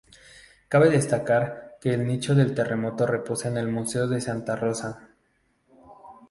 Cabe destacar que el nicho del terremoto reposa en el Museo de Santa Rosa.